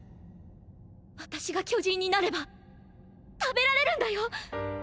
私が巨人になれば食べられるんだよ。